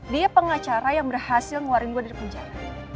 dia pengacara yang berhasil ngeluarin gue dari penjara